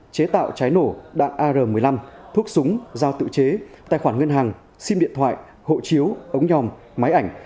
chế tạo trái nổ đạn ar một mươi năm thuốc súng giao tự chế tài khoản ngân hàng sim điện thoại hộ chiếu ống nhòm máy ảnh